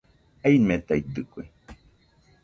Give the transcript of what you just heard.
Aimetaitɨkue